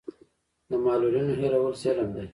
د معلولینو هېرول ظلم دی.